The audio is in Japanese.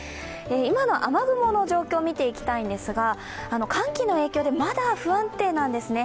今の雨雲の状況を見ていきたいんですが寒気の影響でまだ不安定なんですね。